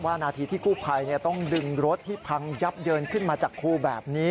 นาทีที่กู้ภัยต้องดึงรถที่พังยับเยินขึ้นมาจากคูแบบนี้